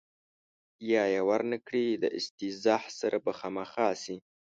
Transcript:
یا یې ور نه کړي د استیضاح سره به مخامخ شي.